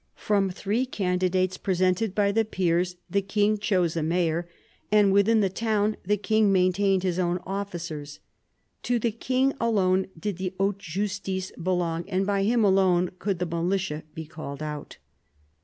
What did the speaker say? From three candidates presented by the peers the king chose a mayor : and within the town the king maintained his own officers. To the king alone did the " haute justice " belong, and by him alone could the militia be called out.